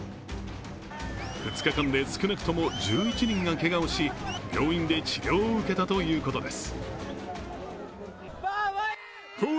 ２日間で少なくとも１１人がけがをし病院で治療を受けたということです。